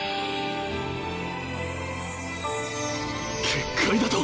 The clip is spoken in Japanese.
結界だと？